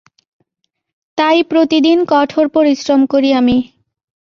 তাই প্রতিদিন কঠোর পরিশ্রম করি আমি।